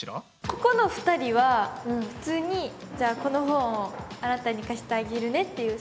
ここの２人は普通に「この本をあなたに貸してあげるね」っていう